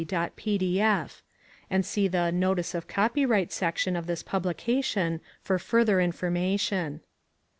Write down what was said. pdf] and see the "Notice of Copyright" section of this publication for further information.